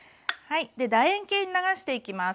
楕円形に流していきます。